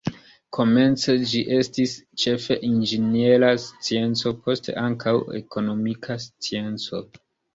Komence ĝi estis ĉefe inĝeniera scienco, poste ankaŭ ekonomika scienco.